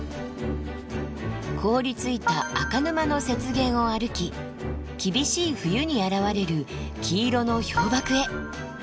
凍りついた銅沼の雪原を歩き厳しい冬に現れる黄色の氷瀑へ。